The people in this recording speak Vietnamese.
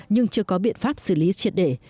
nhưng chưa có biện pháp xử lý triệt để